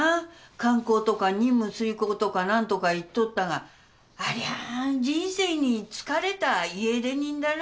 観光とか任務遂行とか何とか言っとったがありゃあ人生に疲れた家出人だな。